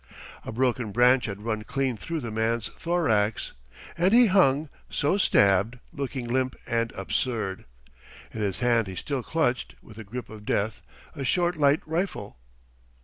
A broken branch had run clean through the man's thorax, and he hung, so stabbed, looking limp and absurd. In his hand he still clutched, with the grip of death, a short light rifle.